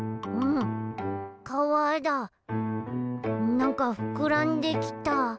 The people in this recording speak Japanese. なんかふくらんできた。